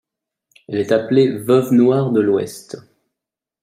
Elle est appelée Veuve noire de l'Ouest.